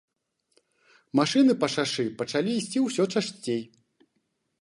Машыны па шашы пачалі ісці ўсё часцей.